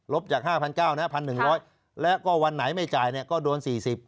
จาก๕๙๐๐นะ๑๑๐๐แล้วก็วันไหนไม่จ่ายเนี่ยก็โดน๔๐